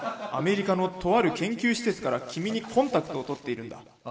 「アメリカのとある研究施設から君にコンタクトを取っているんだ。